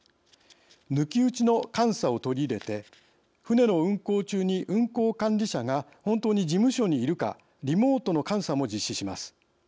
抜き打ちの監査を取り入れて船の運航中に運航管理者が本当に事務所にいるかリモートの監査も実施します。